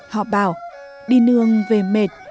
họ bảo đi nương về mệt